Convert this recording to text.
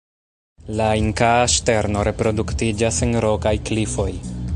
La Inkaa ŝterno reproduktiĝas en rokaj klifoj.